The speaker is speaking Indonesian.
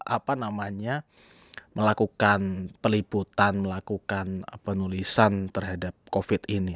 apa namanya melakukan peliputan melakukan penulisan terhadap covid ini